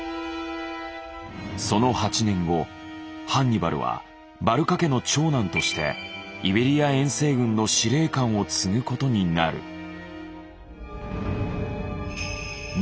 その８年後ハンニバルはバルカ家の長男としてイベリア遠征軍の司令官を継ぐことになる。